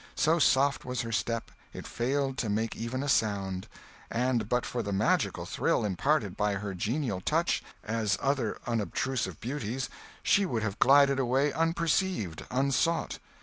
So soft was her step, it failed to make even a sound, and but for the magical thrill imparted by her genial touch, as other unobtrusive beauties, she would have glided away unperceived—unsought.